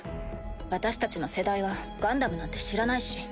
私たちの世代はガンダムなんて知らないし。